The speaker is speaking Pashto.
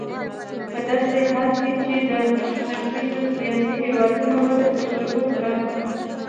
په داسې حال کې چې د ختیځې اسیا هېوادونو وده تجربه کړه.